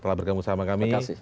telah bergabung sama kami